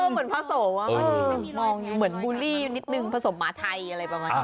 เหมือนผสมมองอยู่เหมือนบูลลี่นิดนึงผสมหมาไทยอะไรประมาณนี้